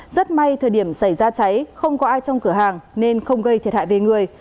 rất may thời điểm xảy ra cháy không có ai trong cửa hàng nên không gây thiệt hại về người